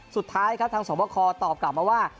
สุดท้ายครับทางสวบคอตอบกลับมาว่า